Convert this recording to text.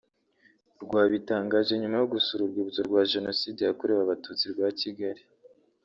rwabitangaje nyuma yo gusura Urwibutso rwa Jenoside yakorewe abatutsi rwa Kigali